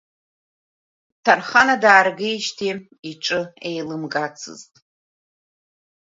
Ҭархана дааргеижьҭеи иҿы еилымгацызт.